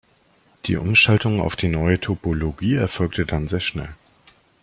Die Umschaltung auf die neue Topologie erfolgt dann sehr schnell.